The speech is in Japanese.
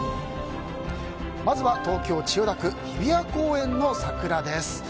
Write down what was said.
まずは東京・千代田区日比谷公園の桜です。